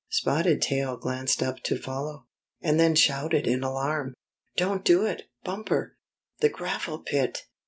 Spotted Tail glanced up to follow, and then shouted in alarm: "Don't do it, Bumper! The gravel pit!"